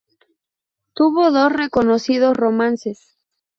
Tuvo dos reconocidos romances.